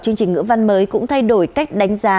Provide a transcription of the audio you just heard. chương trình ngữ văn mới cũng thay đổi cách đánh giá